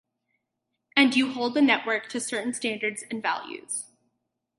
And you hold the network to certain standards and values.